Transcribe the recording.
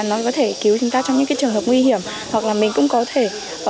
nó có thể cứu chúng ta trong những trường hợp nguy hiểm hoặc là mình cũng có thể